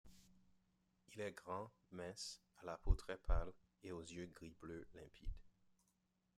Il est grand, mince, à la peau très pâle et aux yeux gris-bleu limpides.